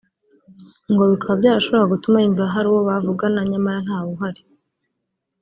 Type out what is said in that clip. ngo bikaba byarashoboraga gutuma yumva hari uwo bavugana nyamara ntawe uhari